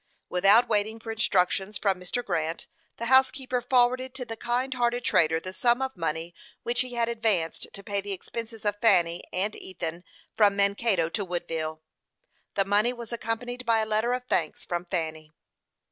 Without waiting for instructions from Mr. Grant, the housekeeper forwarded to the kind hearted trader the sum of money which he had advanced to pay the expenses of Fanny and Ethan from Mankato to Woodville. The money was accompanied by a letter of thanks from Fanny.